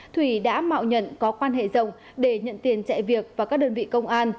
thủy đã mạo nhận có quan hệ rộng để nhận tiền chạy việc và các đơn vị công an